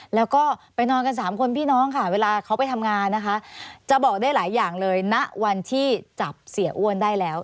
แล้วก็ไปนอนกันสามคนพี่น้องค่ะเวลาเขาไปทำงานนะคะจะบอกได้หลายอย่างเลยณวันที่จับเสียอ้วนได้แล้ว